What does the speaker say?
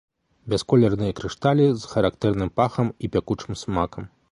Бясколерныя крышталі з характэрным пахам і пякучым смакам.